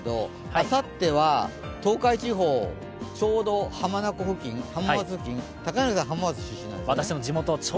あさっては東海地方、ちょうど浜松付近、高柳さん、浜松出身なんですよね？